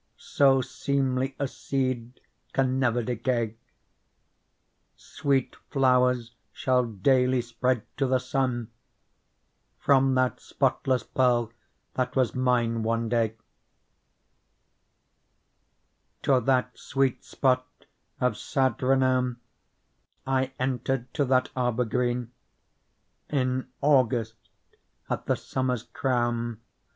So seemly a seed can never decay ; Sweet flowers shall daily spread to the sun From that spotless Pearl that was mine one day. Digitized by Google PEARL }. To that sweet spot of sad renown I entered, to that arbour green. In August, at the summer's crown.